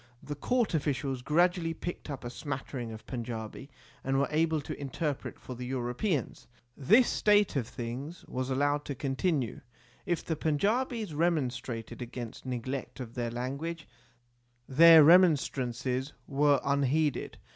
The court officials gradually picked up a smattering of Panjabi, and were able to interpret for the Europeans. This state of things was allowed to continue. If the Panjabis remonstrated against neglect of their language their remonstrances were unheeded.